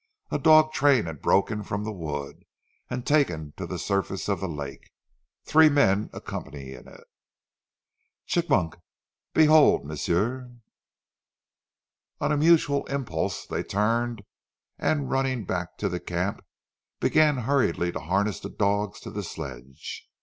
A dog train had broken from the wood, and taken to the surface of the lake, three men accompanying it. "Chigmok! Behold, m'sieu!" On a mutual impulse they turned and running back to the camp, began hurriedly to harness the dogs to the sledge.